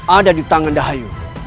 ada di tangan dahayu